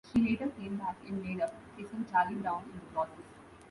She later came back and made up, kissing Charlie Brown in the process.